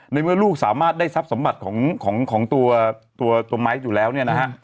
ในเมื่อลูกสามารถได้ทรัพย์สมบัติของตัวตัวไม้อยู่แล้วเนี่ยนะฮะ